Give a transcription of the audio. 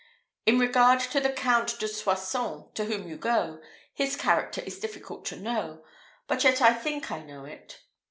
In regard to the Count de Soissons, to whom you go, his character is difficult to know: but yet I think I know it.